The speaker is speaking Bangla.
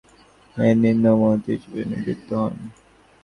তিনি নৌমন্ত্রী হিসাবে নিযুক্ত হন।